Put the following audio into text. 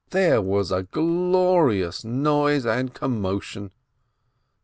There was a glorious noise and commotion!